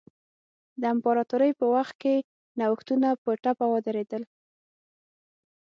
د امپراتورۍ په وخت کې نوښتونه په ټپه ودرېدل.